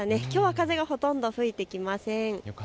きょうは風がほとんど吹いてきません。